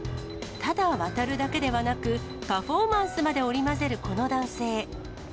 ただ渡るだけではなく、パフォーマンスまで織り交ぜるこの男性。